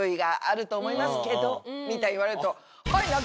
みたいに言われると。